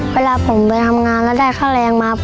เวลาผมได้ทางการและได้ฆ่าแรงมา